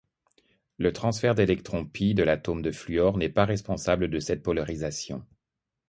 Le transfert d'électrons π de l'atome de fluor n'est pas responsable de cette polarisation.